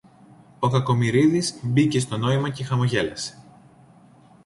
Ο Κακομοιρίδης μπήκε στο νόημα και χαμογέλασε